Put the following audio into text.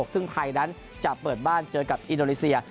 ซึ่งไทยนั้นจะเปิดบ้านเจอกับอินโดนีเซีย